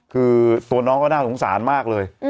คือตัวน้องก็น่าสงสารมากเลย